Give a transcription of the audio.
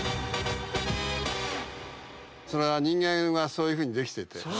それは人間はそういうふうにできてて。